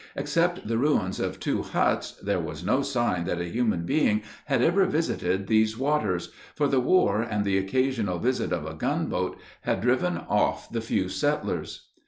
Except the ruins of two huts, there was no sign that a human being had ever visited these waters; for the war and the occasional visit of a gunboat had driven off the few settlers.